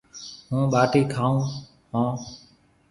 هُون ٻاٽِي کاون هون۔